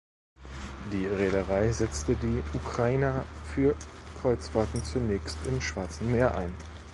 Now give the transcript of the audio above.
Die Reederei setzte die "Ukraina" für Kreuzfahrten zunächst im Schwarzen Meer ein.